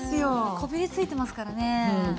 こびりついてますからね。